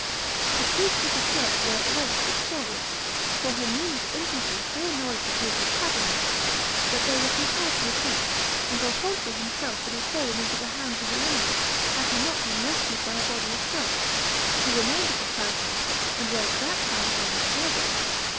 The troops of the church were at length victorious, for her numerous infantry so annoyed the ducal cavalry, that they were compelled to retreat, and Alfonso himself would have fallen into the hands of the enemy, had he not been rescued by a body of Turks, who remained at Otranto, and were at that time in his service.